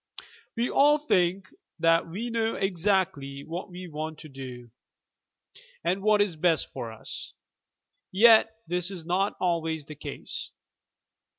We all think that we know exactly what we want to do, and what is best for us. — yet this is not always the case!